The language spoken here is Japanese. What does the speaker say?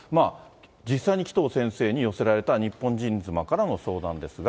実際に紀藤先生に寄せられた日本人妻からの相談ですが。